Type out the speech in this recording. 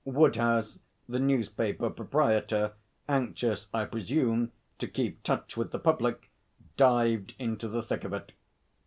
Woodhouse, the newspaper proprietor, anxious, I presume, to keep touch with the public, dived into the thick of it.